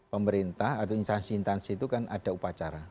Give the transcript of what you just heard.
pemerintah atau instansi instansi itu kan ada upacara